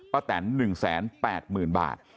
ป้าแตน๑๘๐๐๐๐บาท